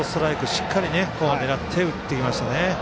しっかり狙って打ってきましたね。